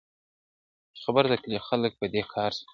چي خبر د کلي خلګ په دې کار سوه-